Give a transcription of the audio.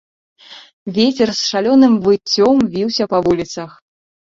Вецер з шалёным выццём віўся па вуліцах.